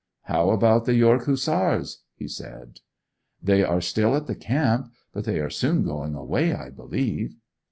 'How about the York Hussars?' he said. 'They are still at the camp; but they are soon going away, I believe.